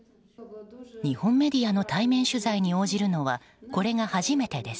日本メディアの対面取材に応じるのはこれが初めてです。